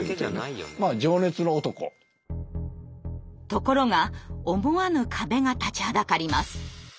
ところが思わぬ壁が立ちはだかります。